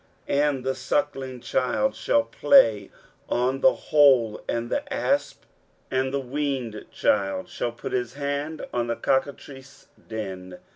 23:011:008 And the sucking child shall play on the hole of the asp, and the weaned child shall put his hand on the cockatrice' den.